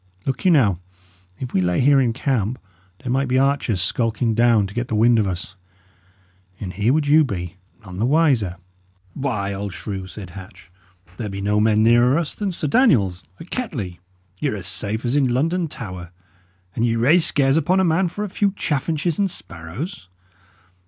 Look you, now, if we lay here in camp, there might be archers skulking down to get the wind of us; and here would you be, none the wiser!" "Why, old shrew," said Hatch, "there be no men nearer us than Sir Daniel's, at Kettley; y' are as safe as in London Tower; and ye raise scares upon a man for a few chaffinches and sparrows!"